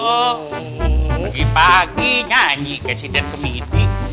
oh pagi pagi nyanyi kayak sidat kemiti